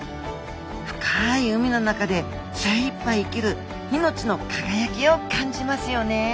深い海の中で精いっぱい生きる命の輝きを感じますよね！